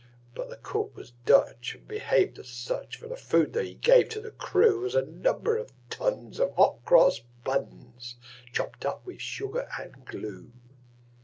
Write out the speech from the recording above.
But the cook was Dutch, and behaved as such; For the food that he gave the crew Was a number of tons of hot cross buns, Chopped up with sugar and glue.